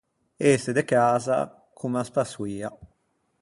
Ëse de casa comme a spassoia.